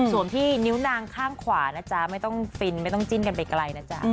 ส่วนที่นิ้วนางข้างขวานะจ๊ะไม่ต้องฟินไม่ต้องจิ้นกันไปไกลนะจ๊ะ